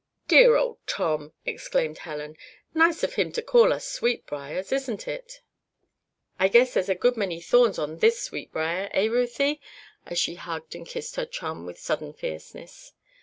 "Dear old Tom!" exclaimed Helen. "Nice of him to call us 'Sweetbriars'; isn't it? I guess there's a good many thorns on this 'sweetbriar'; 'eh, Ruthie?" and she hugged and kissed her chum with sudden fierceness.